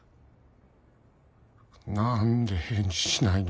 何で返事しないの？